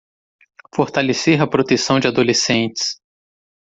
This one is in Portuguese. Fortalecer a proteção de adolescentes